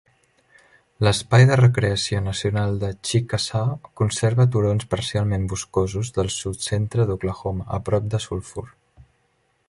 L'espai de recreació nacional de Chickasaw conserva turons parcialment boscosos del sud-centre d'Oklahoma, a prop de Sulphur.